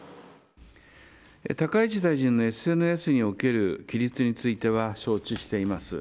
高市大臣のＳＮＳにおける記述については承知しています。